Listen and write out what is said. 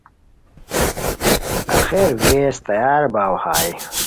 آخر ویز تیار باؤ ہائے